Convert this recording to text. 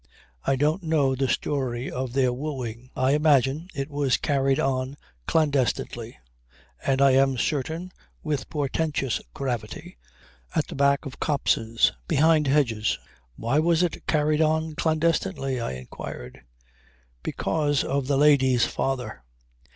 I don't know the story of their wooing. I imagine it was carried on clandestinely and, I am certain, with portentous gravity, at the back of copses, behind hedges ... "Why was it carried on clandestinely?" I inquired. "Because of the lady's father.